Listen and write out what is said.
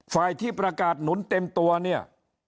ฝ่ายที่ประกาศหนุนเต็มตัวเนี่ย